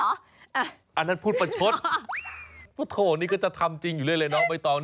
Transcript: อ่ะอันนั้นพูดประชดโถนี่ก็จะทำจริงอยู่เลยเลยเนอะใบตอง